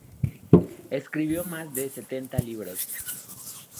Escribió más de setenta libros.